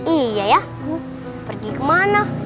iya ya pergi ke mana